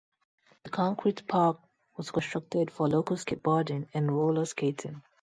The concrete park was constructed for local skateboarding and roller skating.